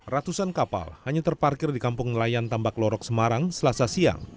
ratusan kapal hanya terparkir di kampung nelayan tambak lorok semarang selasa siang